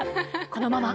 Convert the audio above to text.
このまま？